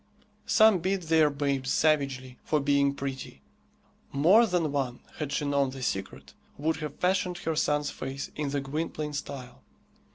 Some beat their babes savagely for being pretty. More than one, had she known the secret, would have fashioned her son's face in the Gwynplaine style.